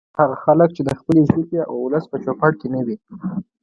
هغه خلک چې د خپلې ژبې او ولس په چوپړ کې نه وي